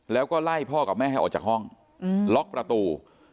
แล้วก็ไล่พ่อกับแม่ให้ออกจากห้องล็อกประตู